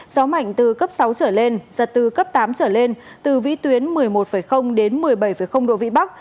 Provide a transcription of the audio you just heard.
gió mạnh từ cấp sáu trở lên giật từ cấp tám trở lên từ vĩ tuyến một mươi một đến một mươi bảy độ vĩ bắc